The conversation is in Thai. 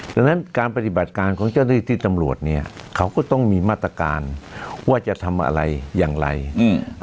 ดังนั้นการปฏิบัติการของเจ้าหน้าที่ตำรวจเนี้ยเขาก็ต้องมีมาตรการว่าจะทำอะไรอย่างไรอืม